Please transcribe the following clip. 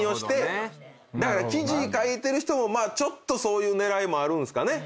だから記事書いてる人もそういう狙いもあるんすかね。